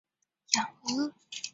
她老著想和阿公一起养鹅